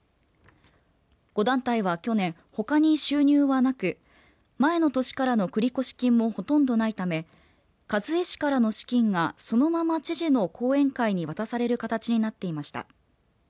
５団体は、去年ほかに収入はなく前の年からの繰越金もほとんどないため一衛氏からの資金がそのまま知事の後援会に渡される形になっていました。